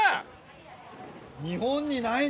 日本にないね